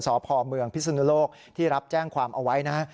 สพเมืองพิศนุโลกที่รับแจ้งความเอาไว้นะ